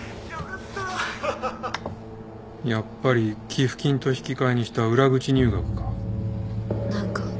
やっぱり寄付金と引き換えにした裏口入学か。